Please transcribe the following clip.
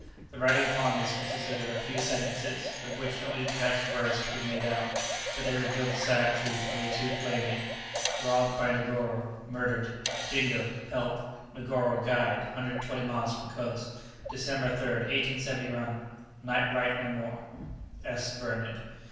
The writing upon this consisted of a few sentences, of which only detached words could be made out, but they revealed the sad truth only too plainly. "Robbed by Negoro murdered Dingo help Negoro guide 120 miles from coast December 3rd, 1871 write no more. "S. VERNON."